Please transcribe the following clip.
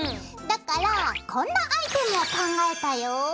だからこんなアイテムを考えたよ。